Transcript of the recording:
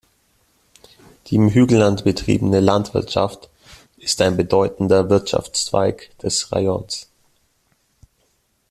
Die im Hügelland betriebene Landwirtschaft ist ein bedeutender Wirtschaftszweig des Rajons.